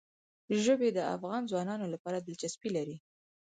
ژبې د افغان ځوانانو لپاره دلچسپي لري.